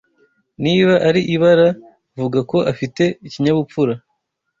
Niba ari ibara, vuga ko afite ikinyabupfura